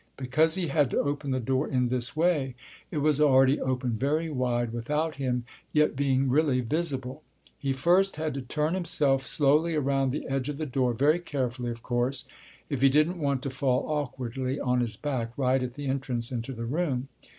Because he had to open the door in this way, it was already open very wide without him yet being really visible. He first had to turn himself slowly around the edge of the door, very carefully, of course, if he didn't want to fall awkwardly on his back right at the entrance into the room.